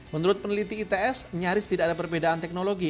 menurut peneliti its nyaris tidak ada perbedaan teknologi